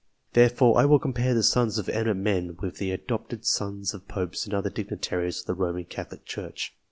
Therefore, I will compare the sons of eminent men with the adopted sons of Popes and other dignitaries of the Roman Catholic Church.